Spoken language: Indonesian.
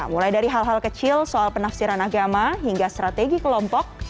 mulai dari hal hal kecil soal penafsiran agama hingga strategi kelompok